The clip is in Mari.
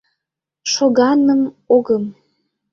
Шоганым огым.